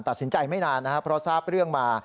ตัดสินใจไม่นานนะครับเพราะทราบเรื่องมา